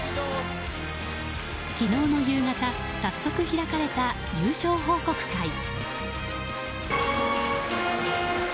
昨日の夕方早速開かれた優勝報告会。